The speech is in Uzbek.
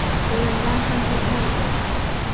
O‘limdan ham qo‘rqmaydi u.